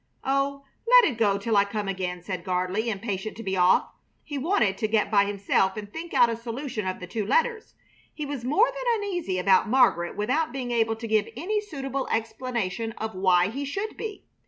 "Oh, let it go till I come again," said Gardley, impatient to be off. He wanted to get by himself and think out a solution of the two letters. He was more than uneasy about Margaret without being able to give any suitable explanation of why he should be.